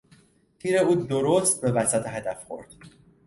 تیر او درست به وسط هدف خورد.